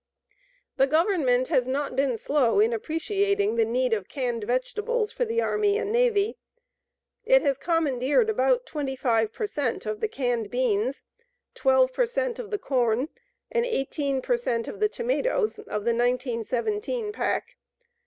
The Government has not been slow in appreciating the need of canned vegetables for the Army and Navy. It has commandeered about 25 per cent of the canned beans, 12 per cent of the corn, and 18 per cent of the tomatoes of the 1917 pack.